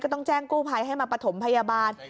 ต้องแจ้งกู้ภัยให้มาประถมพยาบาล